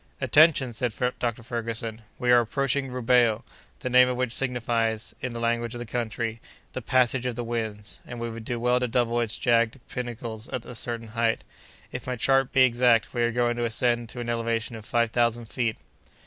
"Attention!" said Dr. Ferguson. "We are approaching Rubeho, the name of which signifies, in the language of the country, the 'Passage of the Winds,' and we would do well to double its jagged pinnacles at a certain height. If my chart be exact, we are going to ascend to an elevation of five thousand feet."